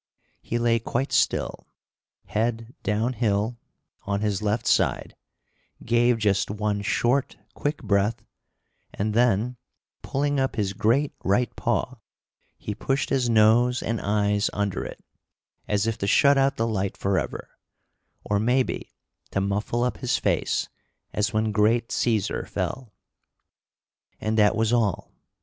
He lay quite still, head down hill, on his left side, gave just one short, quick breath, and then, pulling up his great right paw, he pushed his nose and eyes under it, as if to shut out the light forever, or, maybe, to muffle up his face as when "great Cæsar fell." And that was all.